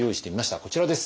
こちらです。